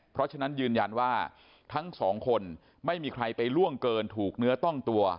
เพราะฉะนั้นยืนยันว่าทั้งสองคนไม่มีใครไปล่วงเกินถูกเนื้อต้องตัว